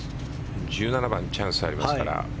１７番チャンスありますから。